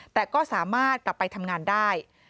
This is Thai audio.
แต่ก็สามารถกลับไปทำงานได้